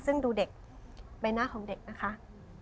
ซึ่งดูเด็กใบหน้าของเด็กนะคะ